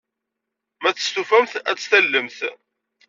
Ma testufamt, ad tt-tallemt.